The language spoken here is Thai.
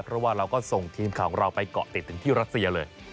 เพราะว่าเราก็ส่งทีมข่าวของเราไปเกาะติดถึงที่รัสเซียเลย